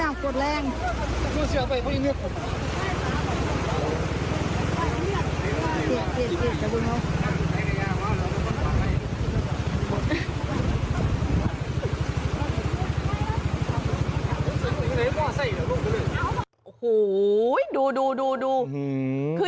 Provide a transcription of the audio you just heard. มีโปรดแรง